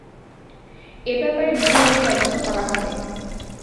এ ব্যাপারে বিভাগীয় তদন্ত করা হবে।